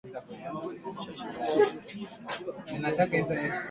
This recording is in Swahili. Ugonjwa wa kupinda shingo huwapata wanyama wachache wenye umri mkubwa